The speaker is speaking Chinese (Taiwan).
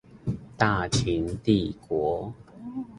大秦帝國